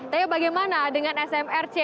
tapi bagaimana dengan smrc